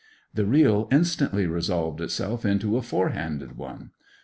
The reel instantly resolved itself into a four handed one.